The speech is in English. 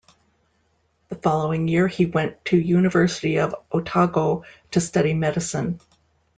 The following year he went to University of Otago to study medicine.